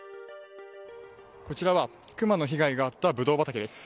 こちらがクマの被害があったブドウ畑です。